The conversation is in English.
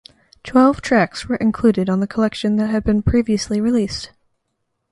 Twelve tracks were included on the collection that had been previously released.